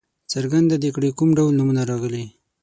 څرګنده دې کړي کوم ډول نومونه راغلي.